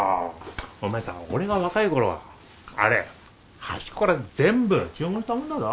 お前さぁ俺が若いころはあれ端っこから全部注文したもんだぞ。